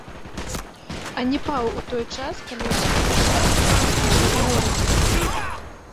Ані паў у той час, калі шахіншах адсутнічаў у горадзе.